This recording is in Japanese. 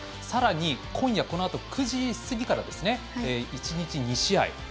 さらに、今夜このあと９時過ぎから１日２試合。